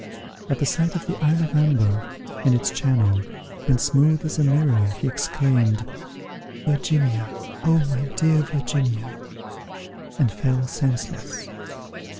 At the sight of the isle of Amber, and its channel, when smooth as a mirror, he exclaimed, "Virginia! oh my dear Virginia!" and fell senseless.